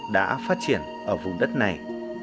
đã phát triển ở vùng đất này